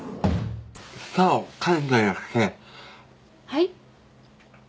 はい？